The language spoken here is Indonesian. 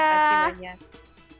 terima kasih banyak